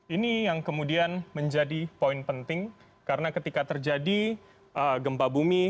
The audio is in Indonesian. ini yang kemudian menjadi poin penting karena ketika terjadi gempa bumi